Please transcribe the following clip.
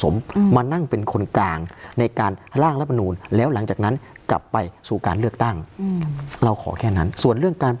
ไม่มีอะไรเกินเลย